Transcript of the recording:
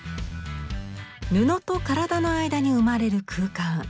布と体の間に生まれる空間。